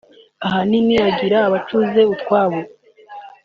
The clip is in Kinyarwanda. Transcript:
ahanini agirango abacuze utwabo